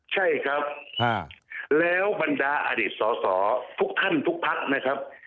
ใช่ครับแล้วบรรดาอดีตสอสอทุกท่านทุกพักนะครับ